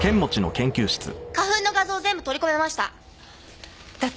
花粉の画像全部取り込めました！